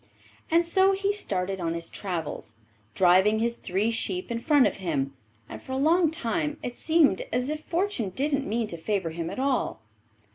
And so he started on his travels, driving his three sheep in front of him, and for a long time it seemed as if fortune didn't mean to favour him at all.